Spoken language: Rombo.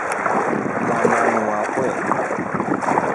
Mwananuu wakwe.